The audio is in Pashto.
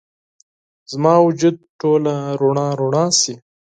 زما وجود ټوله رڼا، رڼا شي